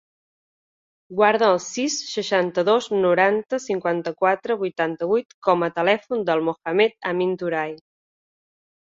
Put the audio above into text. Guarda el sis, seixanta-dos, noranta, cinquanta-quatre, vuitanta-vuit com a telèfon del Mohamed amin Touray.